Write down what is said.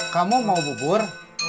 kamu mau bubur